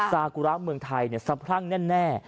สากุรักษ์เมืองไทยเนี่ยสัพพรั่งแน่